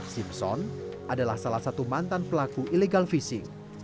simpson adalah salah satu mantan pelaku ilegal visi